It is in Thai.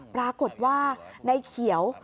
ปรากฏว่าในเขียว